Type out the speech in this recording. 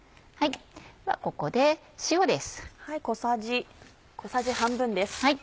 ではここで塩です。